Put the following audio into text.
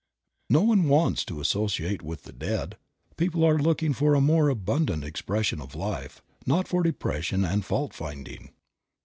No one wants to associate with the dead. People are looking for a more abundant expression of life, not for depression and fault finding.